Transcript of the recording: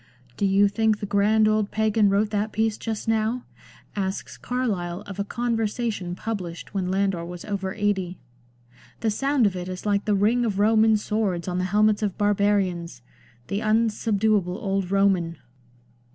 " Do you think the grand old Pagan wrote that piece just now?" asks Carlyle of a Conversation published when Landor was over eighty. " The sound of it is like the ring of Roman swords on the helmets of barbarians ! The unsubduable old Roman